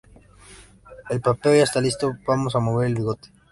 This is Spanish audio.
El papeo ya está listo. Vamos a mover el bigote